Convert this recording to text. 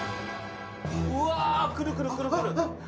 うわくるくるくるくる。